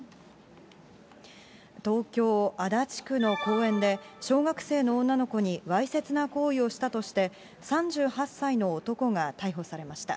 東京・足立区の公園で、小学生の女の子にわいせつな行為をしたとして、３８歳の男が逮捕されました。